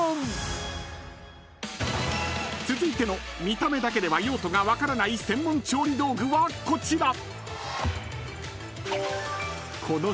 ［続いての見た目だけでは用途が分からない専門調理道具はこちら］